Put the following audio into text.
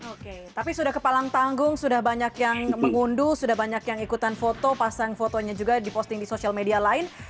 oke tapi sudah kepalang tanggung sudah banyak yang mengunduh sudah banyak yang ikutan foto pasang fotonya juga diposting di sosial media lain